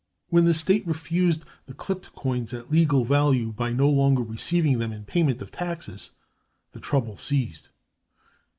When the state refused the clipped coins at legal value, by no longer receiving them in payment of taxes, the trouble ceased.